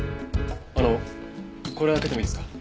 あのこれ開けてもいいですか？